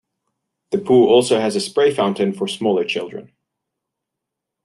The pool also has a spray fountain for smaller children.